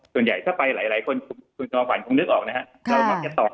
ส่วนใหญ่สักไปหลายคนคุณจองขวัญคงนึกออกนะครับ